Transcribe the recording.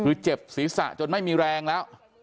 คือเจ็บศีรษะจนไม่มีแรงแล้ว